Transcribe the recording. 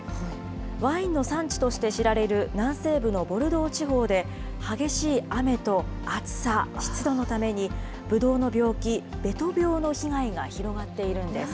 ワインの産地として知られる南西部のボルドー地方で、激しい雨と暑さ、湿度のために、ブドウの病気、ベト病の被害が広がっているんです。